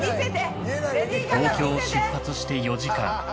東京を出発して４時間。